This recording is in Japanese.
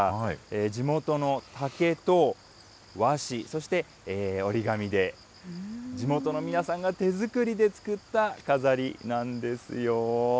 地元の竹と和紙、そして折り紙で地元の皆さんが手作りで作った飾りなんですよ。